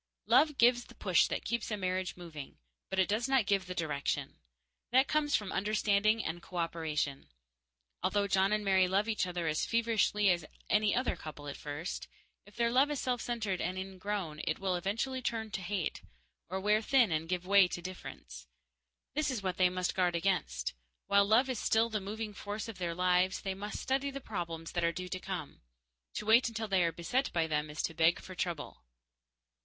Love gives the push that keeps a marriage moving, but it does not give the direction. That comes from understanding and cooperation. Although John and Mary love each other as feverishly as any other couple at first, if their loved is self centered and ingrown, it will eventually turn to hate, or wear thin and give way to indifference. This is what they must guard against. While love is still the moving force of their lives, they must study the problems that are due to come. To wait until they are beset by them is to beg for trouble.